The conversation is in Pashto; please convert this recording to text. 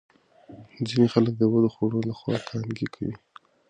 ځینې خلک د بدو خوړو له خوا کانګې کوي.